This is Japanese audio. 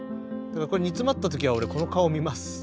煮詰まった時は俺この顔見ます。